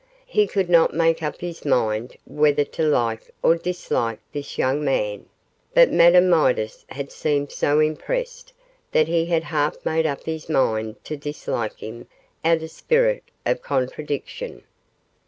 He could not make up his mind whether to like or dislike this young man, but Madame Midas had seemed so impressed that he had half made up his mind to dislike him out of a spirit of contradiction.